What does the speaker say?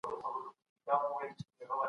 انتقادي فکر څنګه د زده کوونکو باور زیاتوي؟